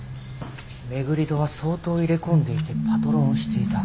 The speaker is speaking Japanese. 廻戸は相当入れ込んでいてパトロンをしていた。